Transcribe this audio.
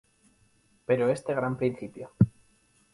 Pero este gran principio: